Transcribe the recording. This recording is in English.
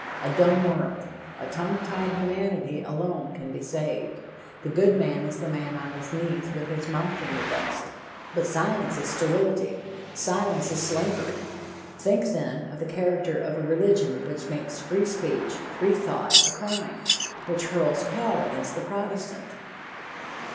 A dumb world, a tongue tied humanity alone can be saved! The good man is the man on his knees with his mouth in the dust. But silence is sterility! Silence is slavery! Think, then, of the character of a religion which makes free speech, free thought, a crime which hurls hell against the Protestant!